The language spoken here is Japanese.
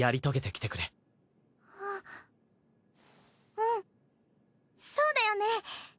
うんそうだよね